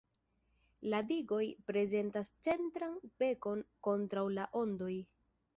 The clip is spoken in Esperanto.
La digoj prezentas centran "bekon" kontraŭ la ondoj.